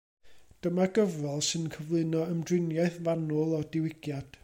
Dyma gyfrol sy'n cyflwyno ymdriniaeth fanwl o'r Diwygiad.